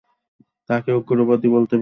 তাকে উগ্রবাদী বলতে পারেন।